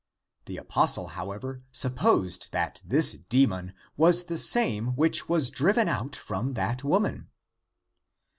The apostle, however, supposed that this demon was the same which was driven out from that woman.